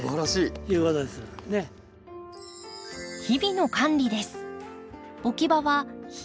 日々の管理です。